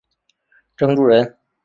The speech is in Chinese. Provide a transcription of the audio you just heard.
郑注人。